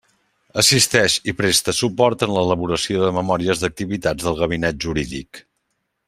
Assisteix i presta suport en l'elaboració de memòries d'activitats del Gabinet Jurídic.